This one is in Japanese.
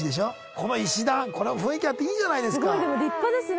この石段これも雰囲気あっていいじゃないですかでも立派ですね